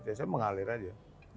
saya mengalir aja